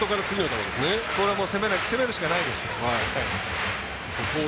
ここは攻めるしかないです。